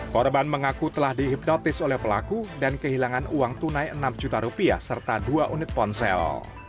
korban mengaku telah dihipnotis oleh pelaku dan kehilangan uang tunai enam juta rupiah serta dua unit ponsel